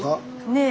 ねえ。